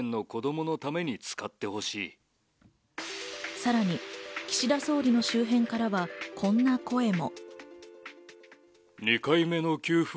さらに岸田総理の周辺からは、こんな声も。